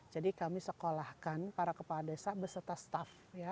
jadi kami sekolahkan para kepala desa beserta staff